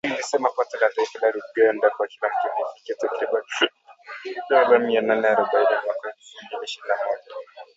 Ilisema pato la taifa la Uganda (GNI) kwa kila mtu lilifikia takriban dola mia nane arobaini mwaka wa elfu mbili ishirini na moja